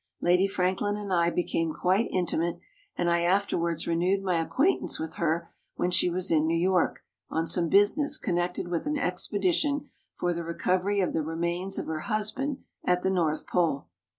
Lady Franklin and I became quite intimate, and I afterwards renewed my acquaintance with her when she was in New York on some business connected with an expedition for the recovery of the remains of her husband at the North Pole.